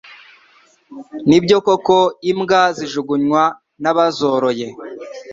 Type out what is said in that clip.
nibyo koko imbwa zijugunywa nabazoroye